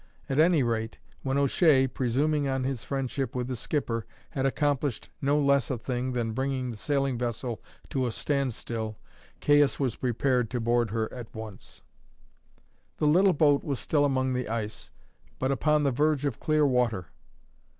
At any rate, when O'Shea, presuming on his friendship with the skipper, had accomplished no less a thing than bringing the sailing vessel to a standstill, Caius was prepared to board her at once. The little boat was still among the ice, but upon the verge of clear water.